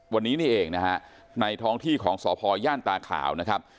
วันนี้นี่เองนะฮะในท้องที่ของสพย่านตาขาวนะครับ